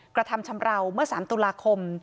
กระทำชำราวเมื่อ๓ตุลาคม